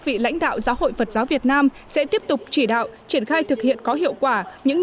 vị lãnh đạo giáo hội phật giáo việt nam sẽ tiếp tục chỉ đạo triển khai thực hiện có hiệu quả những